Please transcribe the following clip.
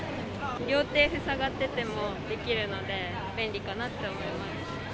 両手塞がっててもできるので便利かなって思います。